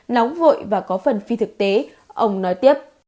nóng vội và có phần phi thực tế ông nói tiếp